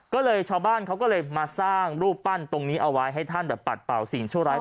ก็เลยชาวบ้านเขาก็เลยมาสร้างรูปปั้นตรงนี้เอาไว้ให้ท่านแบบปัดเป่าสิ่งชั่วร้าย